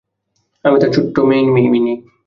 আমি আর তোমার ছোট্ট মেই-মেই নই!